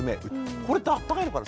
これって暖かいのかな。